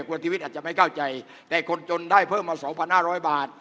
ควรใจและคนจนได้เพิ่มดัง๒๕๐๐บาท